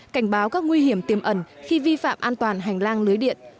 cảnh báo các nguy hiểm tiềm ẩn khi vi phạm an toàn hành lang lưới điện